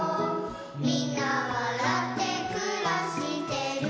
「みんなわらってくらしてる」